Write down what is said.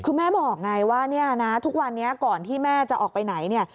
คือแม่บอกไงว่าเนี่ยนะทุกวันนี้ก่อนที่แม่จะออกไปไหนเนี่ย